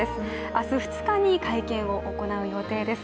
明日２日に会見を行う予定です。